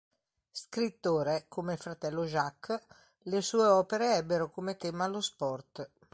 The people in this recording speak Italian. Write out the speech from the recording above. Scrittore, come il fratello Jacques, le sue opere ebbero come tema lo sport.